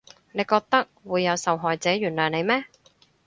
你覺得會有受害者原諒你咩？